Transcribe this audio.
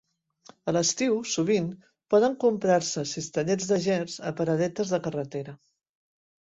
A l'estiu sovint poden comprar-se cistellets de gerds a paradetes de carretera